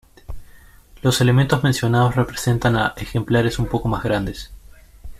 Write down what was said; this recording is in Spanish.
Los elementos mencionados representan a ejemplares un poco más grandes.